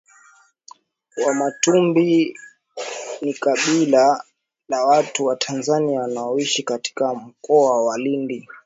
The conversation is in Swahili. Wamatumbi ni kabila la watu wa Tanzania wanaoishi katika Mkoa wa Lindi